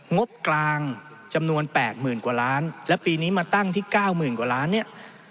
งบกลางจำนวน๘๐๐๐กว่าล้านและปีนี้มาตั้งที่๙๐๐กว่าล้านเนี่ย